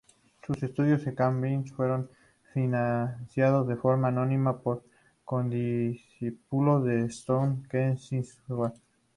Sus estudios en Cambridge, fueron financiados de forma anónima, por condiscípulos de South Kensington.